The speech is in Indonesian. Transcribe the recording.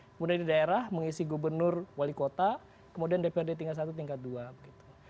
kemudian di daerah mengisi gubernur wali kota kemudian dprd tingkat satu tingkat dua begitu